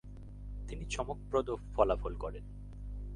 তিনি চমকপ্রদ ফলাফল করেন।